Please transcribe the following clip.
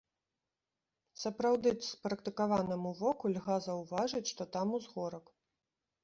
Сапраўды спрактыкаванаму воку льга заўважыць, што там узгорак.